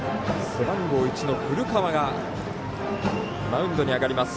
背番号１の古川がマウンドに上がります。